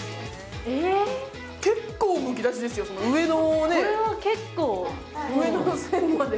結構むき出しですよ、上まで。